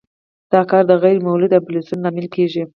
دا کار د غیر مولد انفلاسیون لامل کیږي.